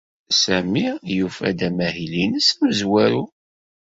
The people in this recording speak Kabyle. Sami yufa-d amahil-ines amezwaru.